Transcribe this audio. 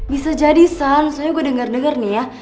bisa jadi sam soalnya gue denger denger nih ya